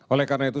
oleh karena itu